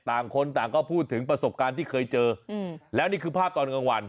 ต่างคนต่างก็พูดถึงประสบการณ์ที่เคยเจออืมแล้วนี่คือภาพตอนกลางวัน